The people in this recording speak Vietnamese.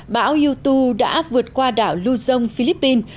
bão yutu đã vượt qua đảo luzon philippines